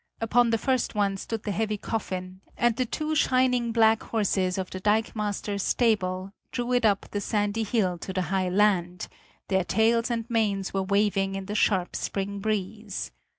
Upon the first one stood the heavy coffin, and the two shining black horses of the dikemaster's stable drew it up the sandy hill to the high land; their tails and manes were waving in the sharp spring breeze.